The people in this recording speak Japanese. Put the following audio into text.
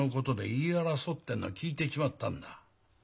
言い争っているのを聞いてしまったんだ。